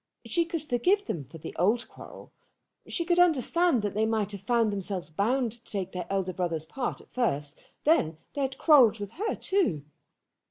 She could forgive them for the old quarrel. She could understand that they might have found themselves bound to take their elder brother's part at first. Then they had quarrelled with her, too.